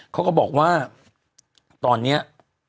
เขาก็บอกว่าตอนนี้